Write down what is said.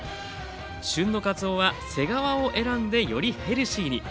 旬のかつおは背側を選んでよりヘルシーに。